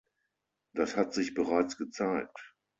Das hat sich bereits gezeigt.